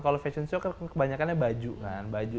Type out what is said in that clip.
kalau fashion show kan kebanyakannya baju kan baju